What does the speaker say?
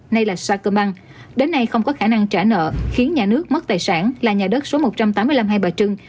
nay là sakermang đến nay không có khả năng trả nợ khiến nhà nước mất tài sản là nhà đất số một trăm tám mươi năm hai bà trưng